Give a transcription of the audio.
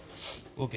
ＯＫ。